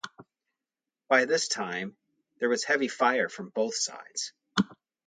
By this time, there was heavy fire from both sides.